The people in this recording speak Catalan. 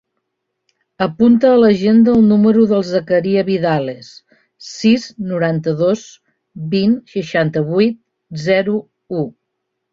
Apunta a l'agenda el número del Zakaria Vidales: sis, noranta-dos, vint, seixanta-vuit, zero, u.